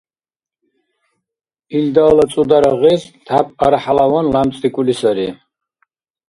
Илдала цӀудара гъез тяп архӀялаван лямцӀдикӀули сари.